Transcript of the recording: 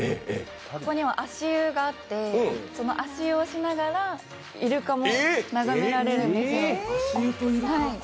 ここには足湯があって、その足湯をしながらいるかも眺められるんですよ。